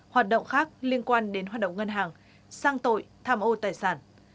hoạt động khác liên quan đến hoạt động ngân hàng sang tội tham ô tài sản